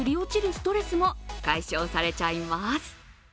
ストレスも解消されちゃいます。